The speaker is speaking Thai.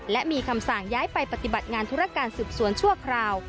และมีคำสั่งย้ายไปปฏิบัติงานธุรการสืบสวนชั่วคราว